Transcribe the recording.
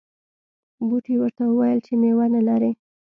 بوټي ورته وویل چې میوه نه لرې.